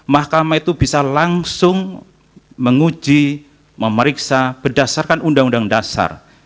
mahkamah itu bisa langsung menguji memeriksa berdasarkan undang undang dasar